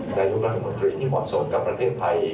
นายกรัฐมนตรีที่เหมาะสมกับประเทศไทย